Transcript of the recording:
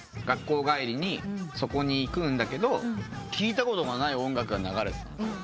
学校帰りにそこに行くんだけど聴いたことがない音楽が流れてた。